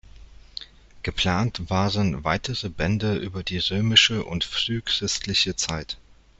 Geplant waren weitere Bände über die römische und frühchristliche Zeit.